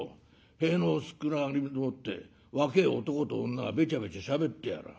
塀の薄暗がりでもって若え男と女がべちゃべちゃしゃべってやらぁ。